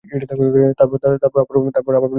তারপর আবার বলল, ও আচ্ছা।